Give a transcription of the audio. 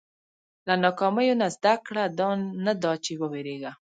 • له ناکامیو نه زده کړه، نه دا چې وېرېږه.